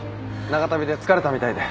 長旅で疲れたみたいで。